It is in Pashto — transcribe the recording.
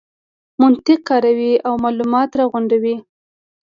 منطق کاروي او مالومات راغونډوي.